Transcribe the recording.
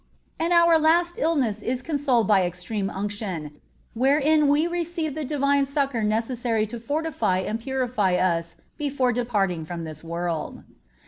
And our last illness is consoled by Extreme Unction, wherein we receive the Divine succor necessary to fortify and purify us before departing from this world.